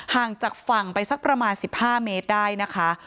ห่างจากฝั่งไปสักประมาณ๑๕เมตรได้นะคะ